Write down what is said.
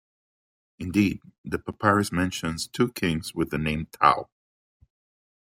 Indeed, the papyrus mentions two kings with the name Tao.